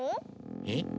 えっ？